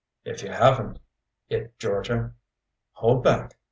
If you haven't it, Georgia hold back.